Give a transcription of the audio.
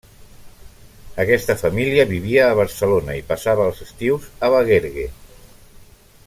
Aquesta família vivia a Barcelona i passava els estius a Bagergue.